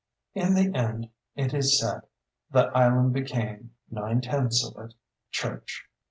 In the end, it is said, the island became, nine tenths of it, church.